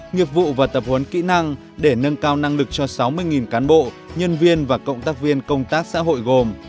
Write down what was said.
nghiệp vụ và tập huấn kỹ năng để nâng cao năng lực cho sáu mươi cán bộ nhân viên và cộng tác viên công tác xã hội gồm